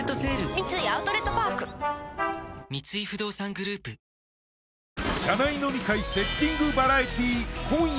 三井アウトレットパーク三井不動産グループはあ平子